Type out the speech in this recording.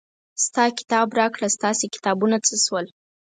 ستا کتاب راکړه ستاسې کتابونه څه شول.